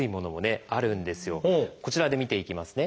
こちらで見ていきますね。